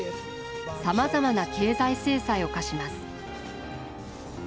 さまざまな経済制裁を課します